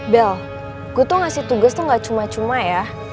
bell gue tuh ngasih tugas tuh gak cuma cuma ya